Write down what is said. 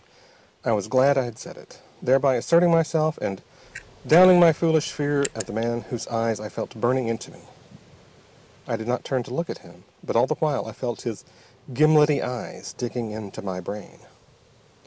I was glad when I had said it, thereby asserting myself and downing my foolish fear of the man whose eyes I felt burning into me. I did not turn to look at him but all the while I felt his gimlety eyes digging into my brain.